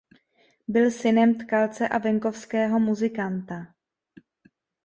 Byl synem tkalce a venkovského muzikanta.